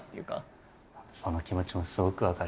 その気持ちもすごく分かります。